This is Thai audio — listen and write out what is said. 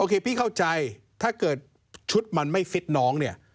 พี่เข้าใจถ้าเกิดชุดมันไม่ฟิตน้องเนี่ย